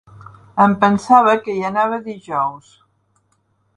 -? Em pensava que hi anava dijous.